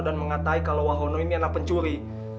dan mengatai kalau wahono ini anak pencuri